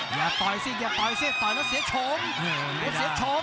อย่าต่อยซิอย่าต่อยซิต่อยแล้วเสียโฉม